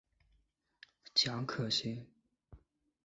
蒋可心。